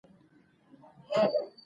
رسوب د افغانانو د ژوند طرز اغېزمنوي.